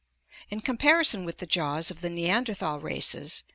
In comparison with the jaws of the Neanderthal races